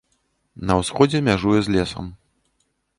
На ўсходзе мяжуе з лесам.